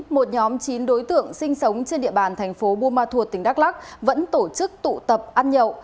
một nhóm chín đối tượng sinh sống trên địa bàn thành phố buôn ma thuột tỉnh đắk lắc vẫn tổ chức tụ tập ăn nhậu